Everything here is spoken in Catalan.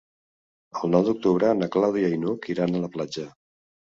El nou d'octubre na Clàudia i n'Hug iran a la platja.